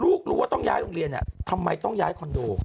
รู้ว่าต้องย้ายโรงเรียนเนี่ยทำไมต้องย้ายคอนโด